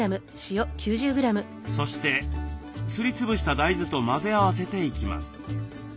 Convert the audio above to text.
そしてすり潰した大豆と混ぜ合わせていきます。